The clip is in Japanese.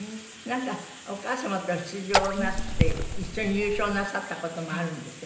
なんかお母様と出場なすって一緒に優勝なさった事もあるんですって？